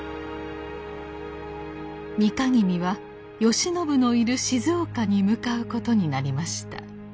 美賀君は慶喜のいる静岡に向かうことになりました。